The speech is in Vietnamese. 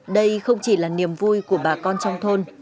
đây không chỉ là niềm vui của bà con trong thôn